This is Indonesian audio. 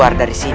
kak mab dong